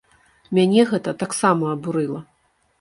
Мяне гэта таксама абурыла.